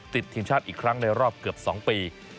ติดทีมชาติอีกครั้งในรอบเกือบ๒ปี